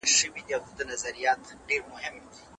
شریف په ډېرې ستړیا سره کور ته راننووت.